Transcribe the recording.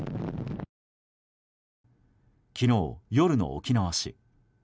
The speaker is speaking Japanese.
昨日夜の沖縄市。